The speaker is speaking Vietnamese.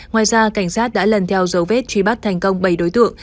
ngoài ra cảnh sát đã lần theo dấu vết truy bắt thành công bảy đối tượng